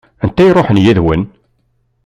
Anta i iṛuḥen yid-wen?